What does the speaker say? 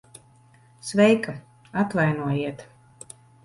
Sveika. Atvainojiet...